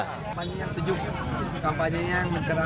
kampanye yang sejuk kampanye yang mencerahkan